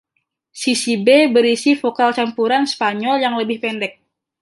Sisi-B berisi vokal Campuran Spanyol yang lebih pendek.